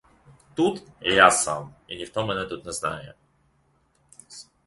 Тут — я сам, і ніхто мене тут не знає.